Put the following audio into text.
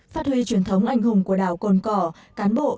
phát huy truyền thống anh hùng của đảo cồn cỏ cán bộ